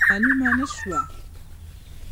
معلومه نه سوه.